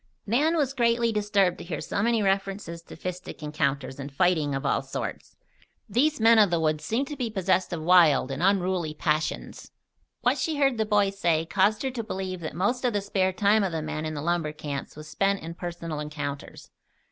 Nan was greatly disturbed to hear so many references to fistic encounters and fighting of all sorts. These men of the woods seemed to be possessed of wild and unruly passions. What she heard the boys say caused her to believe that most of the spare time of the men in the lumber camps was spent in personal encounters.